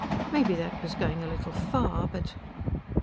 Maybe that was going a little far, but....